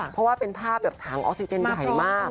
เพราะว่าเป็นภาพแบบถังออกซิเจนใหญ่มาก